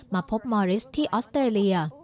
มาพบมอริสที่ออสเตรเลีย